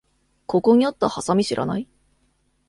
ここにあったハサミ知らない？